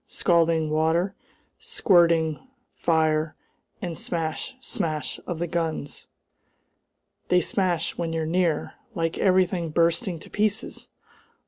Scalding water squirting, fire, and the smash, smash of the guns! They smash when you're near! Like everything bursting to pieces!